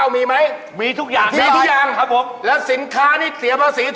มึงเนี่ยพี่